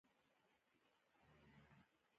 مولوي بشیر په ډاډ سره ورته وویل.